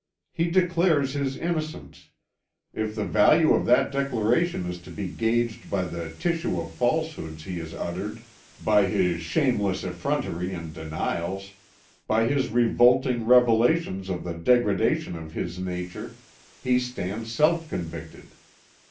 He declares his innocence; if the value of that declaration is to be gauged by the tissue of falsehoods he has uttered, by his shameless effrontery and denials, by his revolting revelations of the degradation of his nature, he stands self convicted.